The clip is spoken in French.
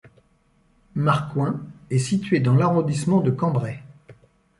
Marcoing est située dans l'arrondissement de Cambrai.